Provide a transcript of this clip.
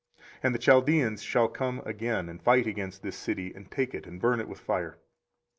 24:037:008 And the Chaldeans shall come again, and fight against this city, and take it, and burn it with fire.